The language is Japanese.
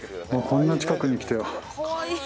こんな近くに来たよ。